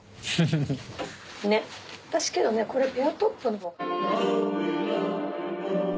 私けどねこれベアトップのほうが。